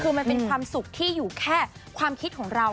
คือมันเป็นความสุขที่อยู่แค่ความคิดของเรา